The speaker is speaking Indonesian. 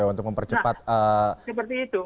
nah nah seperti itu